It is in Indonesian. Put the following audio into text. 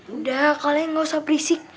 udah kalian gak usah berisik